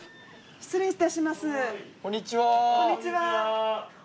失礼いたします。